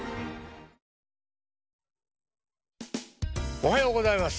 おはようございます。